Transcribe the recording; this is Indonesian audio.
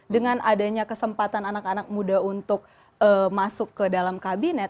dengan adanya kesempatan anak anak muda untuk masuk ke dalam kabinet